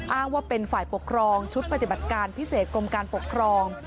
อ้างว่าเป็นฝ่ายปกครองชุดปฏิบัติการพิเศษกรมการปกครอง